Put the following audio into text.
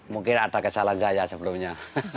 mungkin ada kesalahan saya sebelumnya